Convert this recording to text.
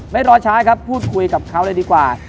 รอช้าครับพูดคุยกับเขาเลยดีกว่า